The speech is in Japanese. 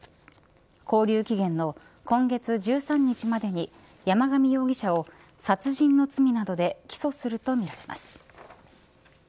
勾留期限の今月１３日までに山上容疑者を殺人の罪などで起訴するとみられます。